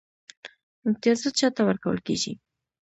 امتیازات چا ته ورکول کیږي؟